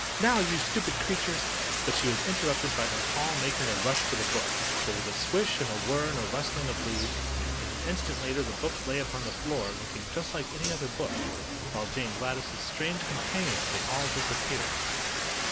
Now, you stupid creatures—" But she was interrupted by them all making a rush for the book. There was a swish and a whirr and a rustling of leaves, and an instant later the book lay upon the floor looking just like any other book, while Jane Gladys' strange companions had all disappeared.